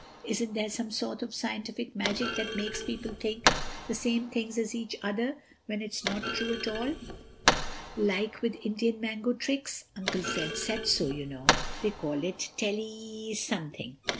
Isn't there some sort of scientific magic that makes people think the same things as each other when it's not true at all, like with Indian mango tricks? Uncle Fred said so, you know, they call it 'Tell ee something.